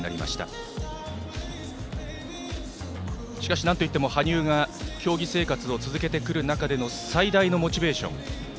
しかし、なんといっても羽生が競技生活を続ける中での最大のモチベーション。